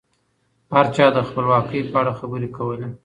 هر چا د خپلواکۍ په اړه خبرې کولې.